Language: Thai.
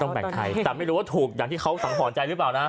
แต่ไม่รู้ว่าถูกอย่างที่เขาสำหรับหอใจหรือเปล่านะ